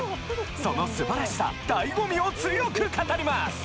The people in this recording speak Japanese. その素晴らしさ醍醐味を強く語ります！